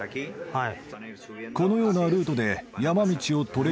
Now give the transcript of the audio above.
はい。